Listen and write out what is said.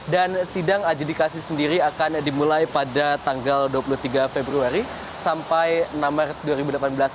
dan sidang adjudikasi sendiri akan dimulai pada tanggal dua puluh tiga februari sampai enam maret dua ribu delapan belas